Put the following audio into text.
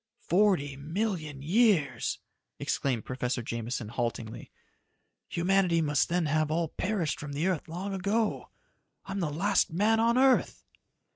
"Forty million years!" exclaimed Professor Jameson haltingly. "Humanity must then have all perished from the earth long ago! I'm the last man on earth!"